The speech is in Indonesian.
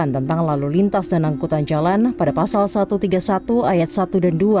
tentang lalu lintas dan angkutan jalan pada pasal satu ratus tiga puluh satu ayat satu dan dua